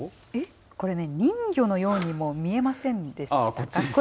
これね、人魚のようにも見えませんでしたか？